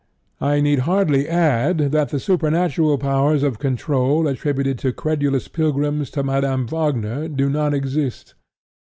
I need hardly add that the supernatural powers of control attributed by credulous pilgrims to Madame Wagner do not exist.